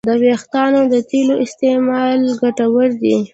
د وېښتیانو تېلو استعمال ګټور دی.